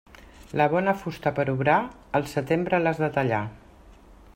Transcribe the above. La bona fusta per obrar, al setembre l'has de tallar.